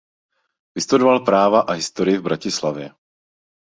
Vystudoval práva a historii v Bratislavě.